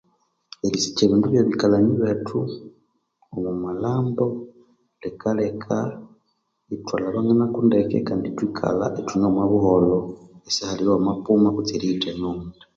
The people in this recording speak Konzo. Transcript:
Erisikya ebindu byabikalhani bethu omwamalhambo lhikalheka ithwalhabanganako ndeka kandi ithwekalha ithune omwabuholho isihalhi oyuwangapona kutse yuwangahithania oghundi